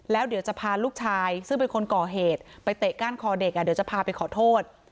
แล้วเดี๋ยวจะพาลูกชายซึ่งเป็นคนก่อเหตุไปเตะก้านคอเด็กเดี๋ยวจะพาไปขอโทษ